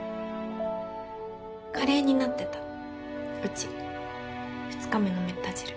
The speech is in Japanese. カレーになってたうち２日目のめった汁。